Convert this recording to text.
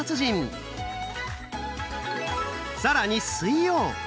更に水曜！